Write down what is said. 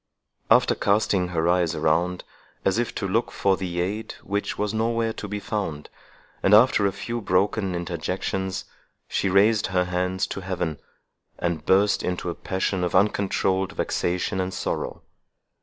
After casting her eyes around, as if to look for the aid which was nowhere to be found, and after a few broken interjections, she raised her hands to heaven, and burst into a passion of uncontrolled vexation and sorrow.